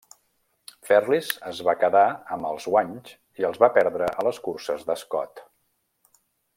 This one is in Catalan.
Ferris es va quedar amb els guanys i els va perdre a les curses d'Ascot.